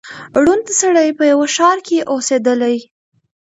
ړوند سړی په یوه ښار کي اوسېدلی